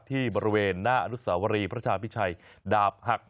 ที่บริเวณหน้าอนุสาวรีประชาพิชัยดาบหัก